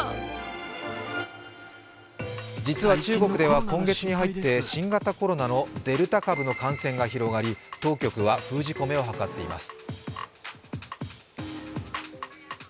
実は中国では今月に入って、新型コロナのデルタ株の感染が広がり当局は封じ込めを図っています。